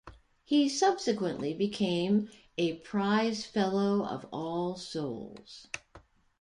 He subsequently became a Prize Fellow of All Souls.